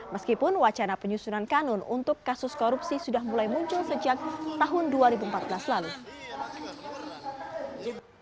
meskipun wacana penyusunan kanun untuk kasus korupsi sudah mulai muncul sejak tahun dua ribu empat belas lalu